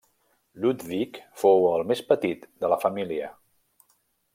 Ludwig fou el més petit de la família.